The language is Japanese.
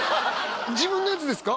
自分のやつですか？